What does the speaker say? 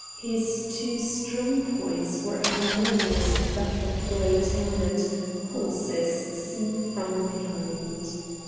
His two strong points were a harmonious effect of grey tone and horses seen from behind.